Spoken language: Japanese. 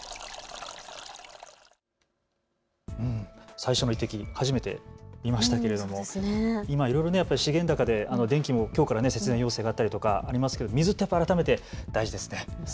最初の１滴、初めて見ましたけれどいろいろ円高で電気もきょうから節電要請があったりしますけれども水って改めて大事ですね。